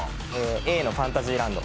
Ａのファンタジーランド。